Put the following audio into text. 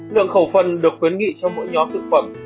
lượng khẩu phần được khuyến nghị cho mỗi nhóm thực phẩm